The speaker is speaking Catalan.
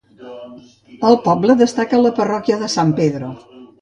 Al poble destaca la parròquia de San Pedro.